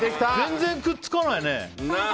全然くっつかないね。